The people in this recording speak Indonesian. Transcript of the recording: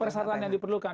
persyaratan yang diperlukan